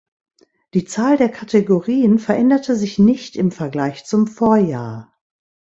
Die Zahl der Kategorien veränderte sich nicht im Vergleich zum Vorjahr.